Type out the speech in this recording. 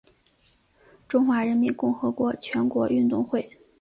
中华人民共和国全国运动会。